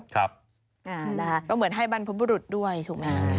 ก็เหมือนให้บรรพบุรุษด้วยถูกไหม